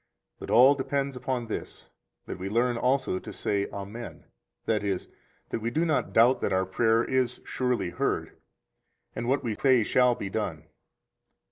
But all depends upon this, that we learn also to say Amen, that is, that we do not doubt that our prayer is surely heard, and [what we pray] shall be done.